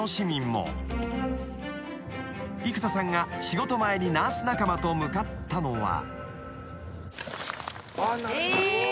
［生田さんが仕事前にナース仲間と向かったのは］